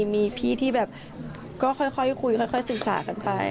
มีพี่ที่แบบก็ค่อยคุยค่อยศึกษากันไป